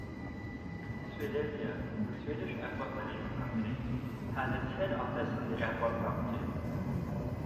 Swedavia, the Swedish airport management company, has its head office on the airport property.